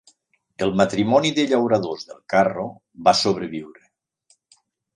El matrimoni de llauradors del carro va sobreviure.